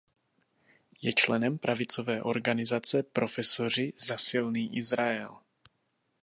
Je členem pravicové organizace Profesoři za silný Izrael.